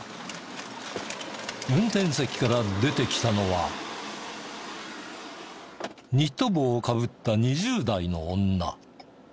運転席から出てきたのはニット帽をかぶった２０代の女。